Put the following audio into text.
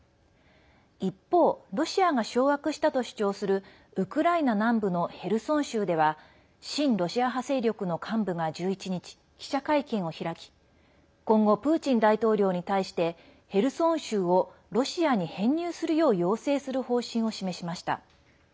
一方ロシアが掌握したと主張するウクライナ南部のヘルソン州では親ロシア派勢力の幹部が１１日、記者会見を開き今後、プーチン大統領に対してヘルソン州をロシアに編入するよう要請する方針を示しました。